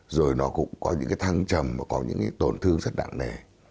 rồi nó cũng có những cái thăng trầm và có những cái tổn thương rất nặng nề